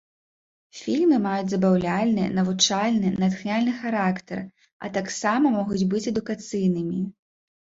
Фільмы маюць забаўляльны, навучальны, натхняльны характар, а таксама могуць быць адукацыйнымі.